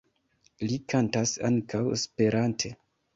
Li kantas ankaŭ Esperante.